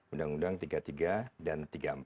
undang undang tiga puluh tiga dan tiga puluh empat